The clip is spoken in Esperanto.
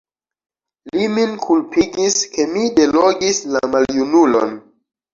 Li min kulpigis, ke mi delogis la maljunulon.